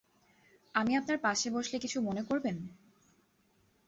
আমি আপনার পাশে বসলে কিছু মনে করবেন?